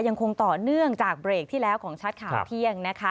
ยังคงต่อเนื่องจากเบรกที่แล้วของชัดข่าวเที่ยงนะคะ